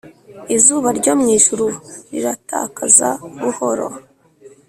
izuba ryo mwijuru riratakaza buhoro.